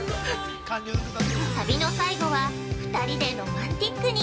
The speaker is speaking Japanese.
◆旅の最後は２人でロマンティックに！